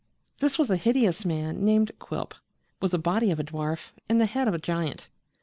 This was a hideous man named Quilp, with the body of a dwarf and the head of a giant.